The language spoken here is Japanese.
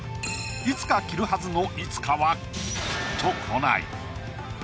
「いつか着るはず」の「いつか」はきっと来ない。